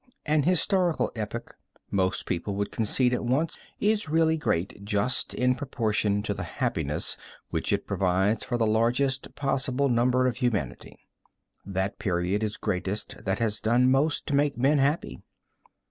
An historical epoch, most people would concede at once, is really great just in proportion to the happiness which it provides for the largest possible number of humanity. That period is greatest that has done most to make men happy.